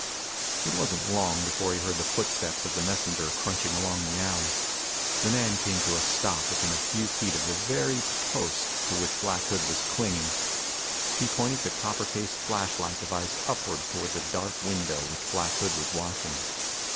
It wasn't long before he heard the footsteps of the messenger crunching along the alley. The man came to a stop within a few feet of the very post to which Black Hood was clinging. He pointed the copper cased flashlight device upward toward the dark window which Black Hood was watching.